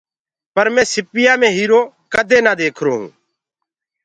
پر مينٚ سيٚپو مي موتي ڪدي نآ ديکرو هونٚ۔